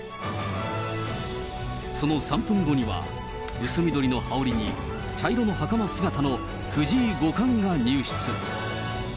その３分後には、薄緑の羽織に茶色のはかま姿の藤井五冠が入室。